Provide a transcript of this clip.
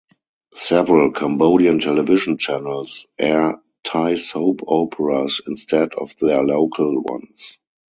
Several Cambodian television channels air Thai soap operas instead of their local ones.